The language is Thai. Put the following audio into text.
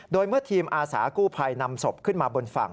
โดยเมื่อทีมอาสากู้ภัยนำศพขึ้นมาบนฝั่ง